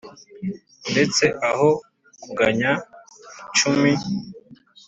ndetse aho kuganya icumi,